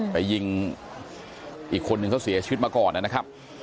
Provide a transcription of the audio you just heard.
ไปยิงอีกคนนึงเขาเสียชีวิตมาก่อนนะครับ